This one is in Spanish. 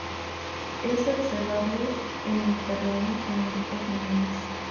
Es observable en el terreno, en grupos mínimos.